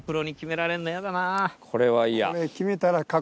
これは嫌。